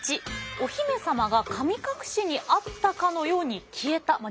１お姫様が神隠しにあったかのように消えた。